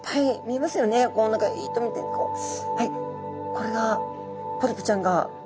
これがポリプちゃんが。